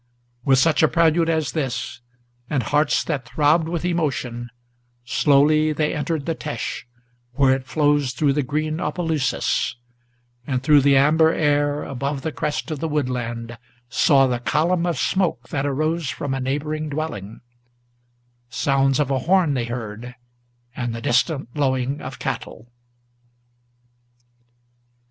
With such a prelude as this, and hearts that throbbed with emotion, Slowly they entered the Têche, where it flows through the green Opelousas, And, through the amber air, above the crest of the woodland, Saw the column of smoke that arose from a neighboring dwelling; Sounds of a horn they heard, and the distant lowing of cattle.